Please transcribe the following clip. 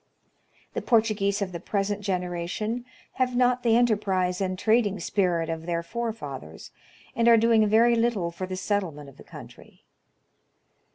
The Portuguese of the present generation have not the enterprise and trading spirit of their forefathers, and are doing very little for the settlement of the country.